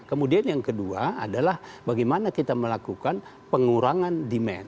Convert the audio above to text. kemudian yang kedua adalah bagaimana kita melakukan pengurangan demand